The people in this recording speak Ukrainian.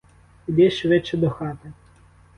Іди швидше до хати.